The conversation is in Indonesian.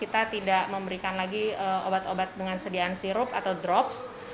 kita tidak memberikan lagi obat obat dengan sediaan sirup atau drops